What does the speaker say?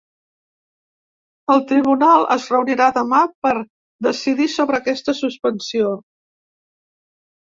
El tribunal es reunirà demà per decidir sobre aquesta suspensió.